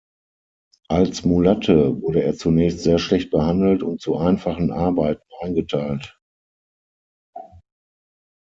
Als Mulatte wurde er zunächst sehr schlecht behandelt und zu einfachen Arbeiten eingeteilt.